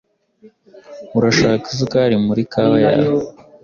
Urashaka isukari muri kawa yawe?